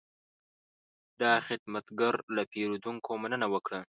دا خدمتګر له پیرودونکو مننه وکړه.